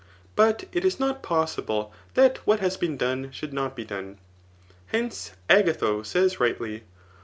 But it b not possible that what has been done should not be done. Hence, Agatho says rightly.